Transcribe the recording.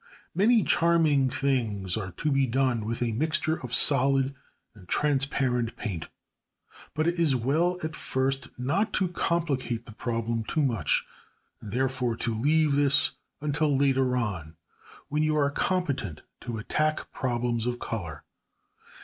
Many charming things are to be done with a mixture of solid and transparent paint, but it is well at first not to complicate the problem too much, and therefore to leave this until later on, when you are competent to attack problems of colour.